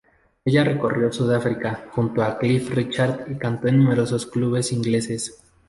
Ella recorrió Sudáfrica junto a Cliff Richard y cantó en numerosos clubes ingleses.